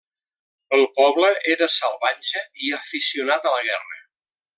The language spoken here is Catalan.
El poble era salvatge i aficionat a la guerra.